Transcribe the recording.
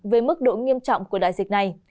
về mức độ nghiêm trọng của đại dịch này